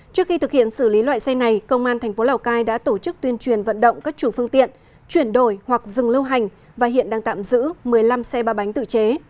trước khi thực hiện xử lý loại xe này công an thành phố lào cai đã tổ chức tuyên truyền vận động các chủ phương tiện chuyển đổi hoặc dừng lưu hành và hiện đang tạm giữ một mươi năm xe ba bánh tự chế